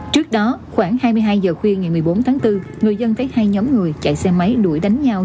trước đó khoảng hai mươi hai giờ khuya ngày một mươi bốn tháng bốn người dân thấy hai nhóm người chạy xe máy đuổi đánh nhau